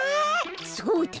そうだ。